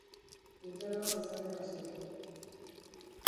Urtaroa goizaldean hasi da.